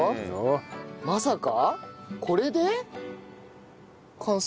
まさかこれで完成？